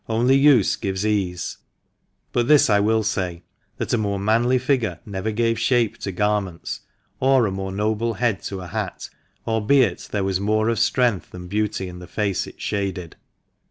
Only use gives ease; but this I will say, that a more manly figure never gave shape to garments, or a more noble head to a hat, albeit there was more of strength than beauty in the face it shaded.